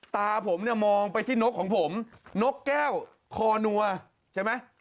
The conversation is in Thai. ตาผมเนี่ยมองไปที่นกของผมนกแก้วคอนัวใช่ไหม